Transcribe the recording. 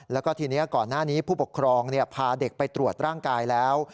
แล้วก็ทีนี้ก่อนหน้านี้ผู้ปกครองพาเด็กไปตรวจร่างกายแล้ว